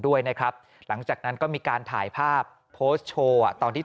ด้วยนะครับหลังจากนั้นก็มีการถ่ายภาพโพสต์โชว์อ่ะตอนที่